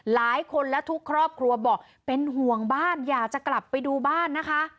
หลายคนและทุกครอบครัวบอกเป็นห่วงบ้านอยากจะกลับไปดูบ้านนะคะ